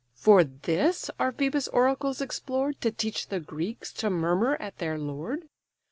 For this are Phœbus' oracles explored, To teach the Greeks to murmur at their lord?